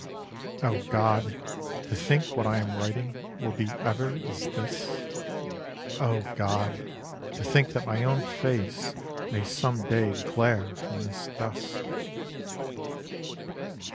O God, to think what I am writing Will be ever as this! O God, to think that my own face May some day glare from this dust!